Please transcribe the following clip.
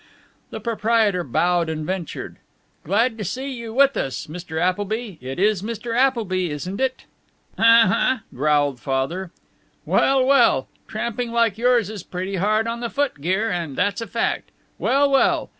The proprietor bowed and ventured: "Glad to see you with us, Mr. Appleby. It is Mr. Appleby, isn't it?" "Uh huh," growled Father. "Well, well! Tramping like yours is pretty hard on the footgear, and that's a fact! Well, well!